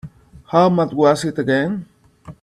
How much was it again?